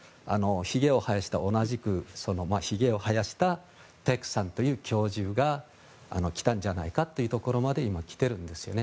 ただひげを生やしたペクさんという教授が来たんじゃないかというところまで今、来ているんですね。